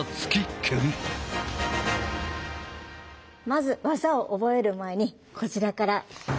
まず技を覚える前にこちらから。